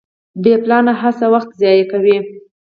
بې پلانه هڅه وخت ضایع کوي.